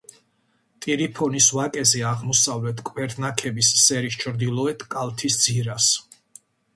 ტირიფონის ვაკეზე, აღმოსავლეთ კვერნაქების სერის ჩრდილოეთ კალთის ძირას.